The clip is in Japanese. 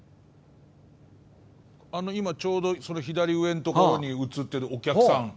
今ちょうど、左上のところに映ってる、お客さん。